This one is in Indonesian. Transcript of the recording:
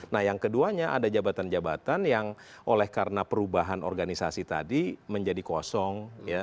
nah yang keduanya ada jabatan jabatan yang oleh karena perubahan organisasi tadi menjadi kosong